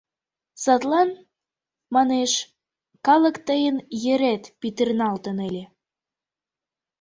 Садлан, манеш, калык тыйын йырет пӱтырналтын ыле.